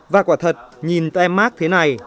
và quả thật nhìn tem mát thế này